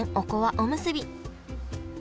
おむすび